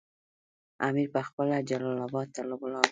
امیر پخپله جلال اباد ته ولاړ.